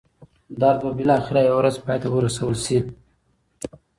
درد به بالاخره یوه ورځ پای ته ورسول شي.